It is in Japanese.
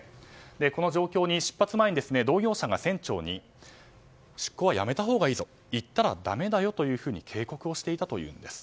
この状況に出発前に同業者が船長に出港はやめたほうがいいぞ行ったらだめだよと警告していたということです。